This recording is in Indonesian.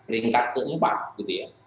ringkat keempat gitu ya